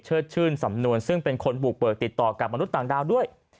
ชื่นสำนวนซึ่งเป็นคนบุกเบิกติดต่อกับมนุษย์ต่างดาวด้วย